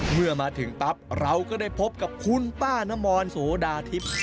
เมื่อมาถึงปั๊บเราก็ได้พบกับคุณป้านมรโสดาทิพย์